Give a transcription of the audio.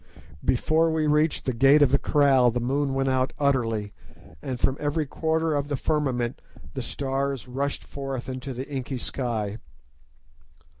Before we reached the gate of the kraal the moon went out utterly, and from every quarter of the firmament the stars rushed forth into the inky sky.